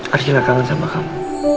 arjila kangen sama kamu